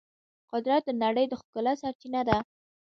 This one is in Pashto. قدرت د نړۍ د ښکلا سرچینه ده.